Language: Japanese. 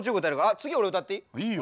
次俺歌っていい？いいよ。